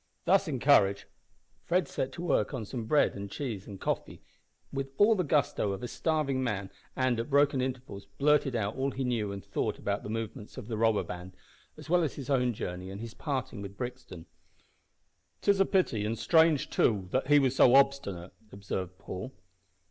Thus encouraged, Fred set to work on some bread and cheese and coffee with all the gusto of a starving man, and, at broken intervals, blurted out all he knew and thought about the movements of the robber band, as well as his own journey and his parting with Brixton. "'Tis a pity, an' strange, too, that he was so obstinate," observed Paul.